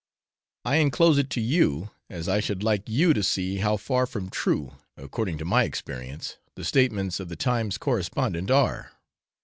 I enclose it to you, as I should like you to see how far from true, according to my experience, the statements of the 'Times' Correspondent' are.